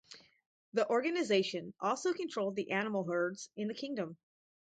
The organization also controlled the animal herds in the kingdom.